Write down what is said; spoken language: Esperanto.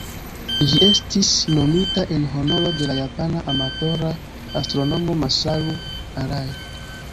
Ĝi estis nomita en honoro de la japana amatora astronomo Masaru Arai.